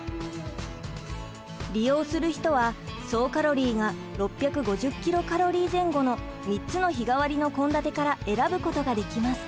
利用する人は総カロリーが６５０キロカロリー前後の３つの日替わりの献立から選ぶことができます。